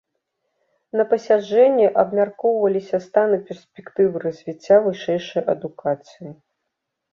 На пасяджэнні абмяркоўваліся стан і перспектывы развіцця вышэйшай адукацыі.